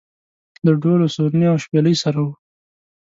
له ډول و سورني او شپېلۍ سره و.